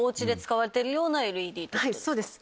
そうです。